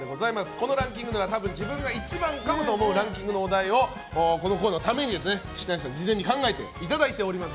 このランキングではたぶん自分が１番かもと思うランキングのお題をこのコーナーのために岸谷さんに事前に考えていただいております。